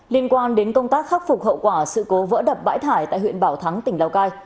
liên quan đến công tác khắc phục hậu quả sự cố vỡ đập bãi thải tại huyện bảo thắng tỉnh lào cai